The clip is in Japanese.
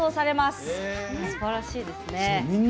すばらしいですね。